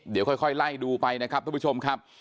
เดี๋ยวค่อยไล่ดูไปนะครับทุกผู้ชมครับ